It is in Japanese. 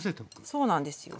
そうなんですよ。